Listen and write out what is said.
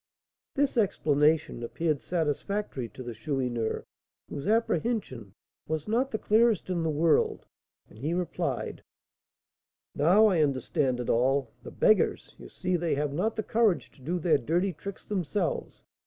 This explanation appeared satisfactory to the Chourineur, whose apprehension was not the clearest in the world, and he replied: "Now I understand it all. The beggars! you see they have not the courage to do their dirty tricks themselves.